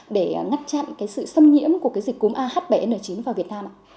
để ngắt chặn sự xâm nhiễm của dịch cúm a h bảy n chín vào việt nam ạ